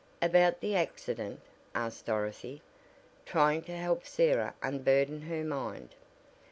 "About the accident?" asked Dorothy, trying to help Sarah unburden her mind.